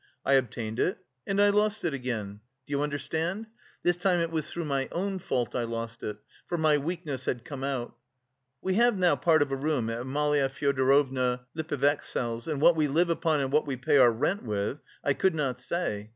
I obtained it and I lost it again. Do you understand? This time it was through my own fault I lost it: for my weakness had come out.... We have now part of a room at Amalia Fyodorovna Lippevechsel's; and what we live upon and what we pay our rent with, I could not say.